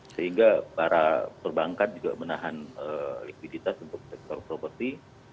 sehingga para perbankan juga menahan likuiditas untuk sektor properti